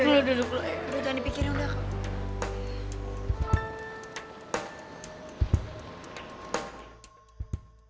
duduk dulu duduk dulu